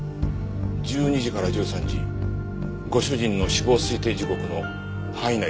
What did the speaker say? １２時から１３時ご主人の死亡推定時刻の範囲内です。